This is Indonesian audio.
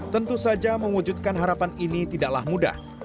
tentu saja mewujudkan harapan ini tidaklah mudah